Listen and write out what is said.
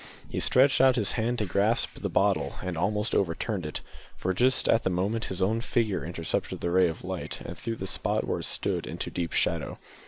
He stretched out his hand to grasp the bottle, and almost overturned it, for just at the moment his own figure intercepted the ray of light, and threw the spot where it stood into deep shadow.